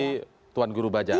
mendekati tuan guru bajak